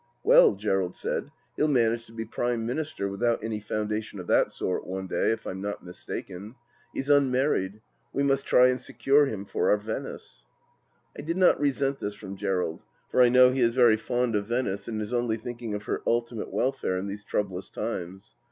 "Well," Gerald said, "he'll manage to be Prime THE LAST DITCH 217 Minister without any foundation of that sort, one day, if I'm not mistaken. He's unmarried. We must try and secure him for our Venice." I did not resent this from Gerald, for I know he is very fond of Venice, and is only thinking of her ultimate welfare in these troublous times.